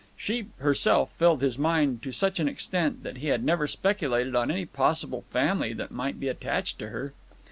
She herself filled his mind to such an extent that he had never speculated on any possible family that might be attached to her.